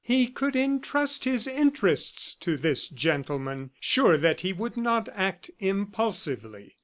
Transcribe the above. He could entrust his interests to this gentleman, sure that he would not act impulsively.